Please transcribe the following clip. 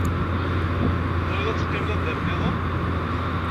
Trid ad teqqimed anda niḍen?